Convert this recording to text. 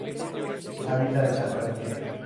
Habita en Santa Lucía.